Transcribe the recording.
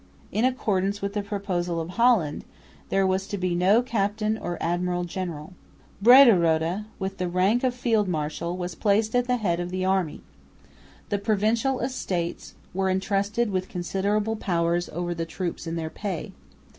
In accordance with the proposal of Holland there was to be no captain or admiral general. Brederode, with the rank of field marshal, was placed at the head of the army. The Provincial Estates were entrusted with considerable powers over the troops in their pay.